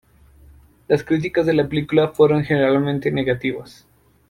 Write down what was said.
Las críticas de la película fueron generalmente negativas.